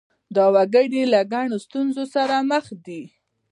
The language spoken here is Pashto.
دا وګړي له ګڼو ستونزو سره مخ دي.